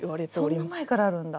そんな前からあるんだ。